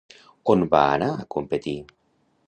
On va anar a competir?